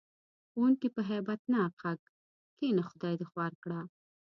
ښوونکي په هیبت ناک غږ: کېنه خدای دې خوار کړه.